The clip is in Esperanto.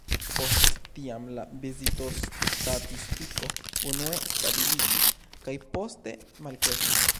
Post tiam la vizitostatistiko unue stabiliĝis, kaj poste malkreskis.